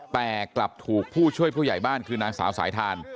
แต่กลับถูกผู้ช่วยผู้ใหญ่บ้านคือนางสาวสายทาน